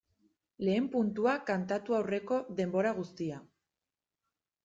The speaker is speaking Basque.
Lehen puntua kantatu aurreko denbora guztia.